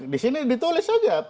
disini ditulis saja